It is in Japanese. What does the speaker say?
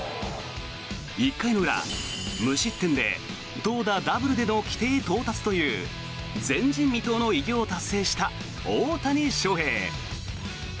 １回の裏、無失点で投打ダブルでの規定到達という前人未到の偉業を達成した大谷翔平。